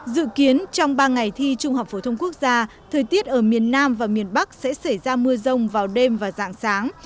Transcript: dự kiến trong ba ngày thi trung học phổ thông quốc gia thời tiết ở miền nam và miền bắc sẽ xảy ra mưa rông vào đêm và dạng sáng